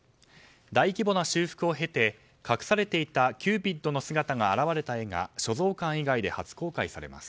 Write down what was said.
大規模な修復を経て隠されていたキューピッドの姿が現れた絵が所蔵館以外で初公開されます。